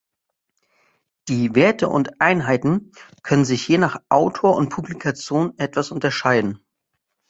Die Werte und Einheiten können sich je nach Autor und Publikation etwas unterscheiden.